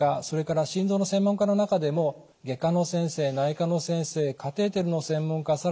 それから心臓の専門家の中でも外科の先生内科の先生カテーテルの専門家